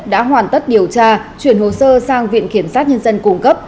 đã hoàn tất điều tra chuyển hồ sơ sang viện kiểm sát nhân dân cung cấp